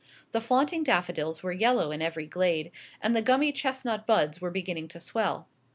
The flaunting daffodils were yellow in every glade, and the gummy chestnut buds were beginning to swell.